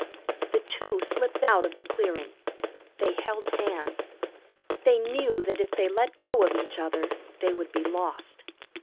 The two slipped out of the clearing. They held hands. They knew that if they let go of each other they would be lost.